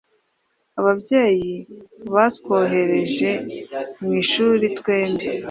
Ababyeyi batwohereje mu ishuri twembi